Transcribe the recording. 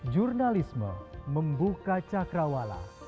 jurnalisme membuka cakrawala